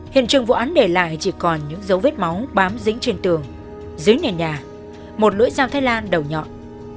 hiện trường vụ án để lại chỉ còn những dấu vết máu bám dính trên tường dưới nền nhà một lưỡi dao thái lan đầu nhọn